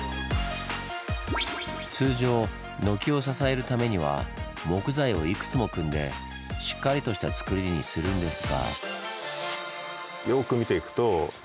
通常軒を支えるためには木材をいくつも組んでしっかりとしたつくりにするんですが。